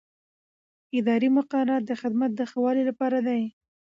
اداري مقررات د خدمت د ښه والي لپاره دي.